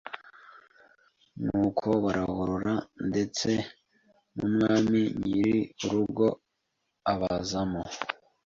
Nuko barahurura ndetse n' umwami nyiri urugo abazamo